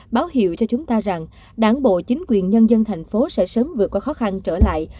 báo hiệu cho chúng ta rằng đảng bộ chính quyền nhân dân thành phố sẽ sớm vượt qua khó khăn trở lại